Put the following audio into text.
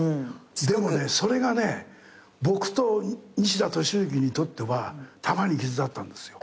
でもねそれがね僕と西田敏行にとっては玉にきずだったんですよ。